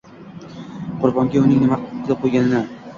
Qurbonga uning nima qilib qo‘yganini